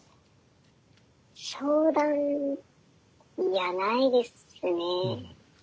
相談いやないですね。